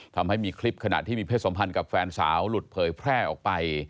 ทำให้มีคลิปขนาดที่มีเพชรสมภัณฑ์กับแฟนสาวหลุดเผยแพร่ไป